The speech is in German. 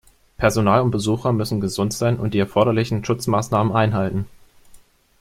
Personal und Besucher müssen gesund sein und die erforderlichen Schutzmaßnahmen einhalten.